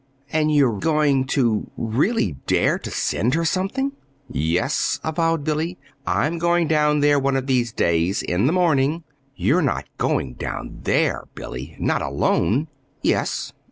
"And you're going to, really, dare to send her something?" "Yes," avowed Billy. "I'm going down there one of these days, in the morning " "You're going down there! Billy not alone?" "Yes.